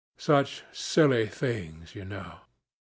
Such silly things you know.